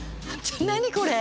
何これ？